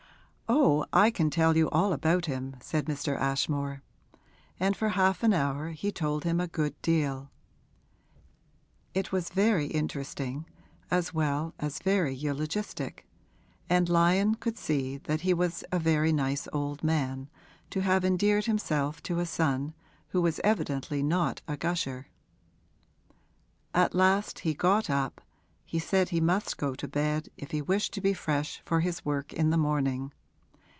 'Oh, I can tell you all about him,' said Mr. Ashmore; and for half an hour he told him a good deal. It was very interesting as well as very eulogistic, and Lyon could see that he was a very nice old man, to have endeared himself so to a son who was evidently not a gusher. At last he got up he said he must go to bed if he wished to be fresh for his work in the morning.